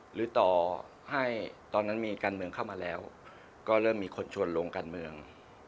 หรือต่อให้ตอนนั้นมีการเมืองเข้ามาแล้วก็เริ่มมีคนชวนลงการเมือง